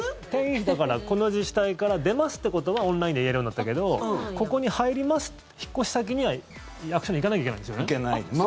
だから、この自治体から出ますってことはオンラインで言えるようになったけどここに入りますって引っ越し先には役所に行かなきゃいけないんですよね。いけないですね。